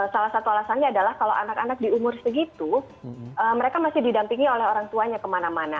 salah satu alasannya adalah kalau anak anak di umur segitu mereka masih didampingi oleh orang tuanya kemana mana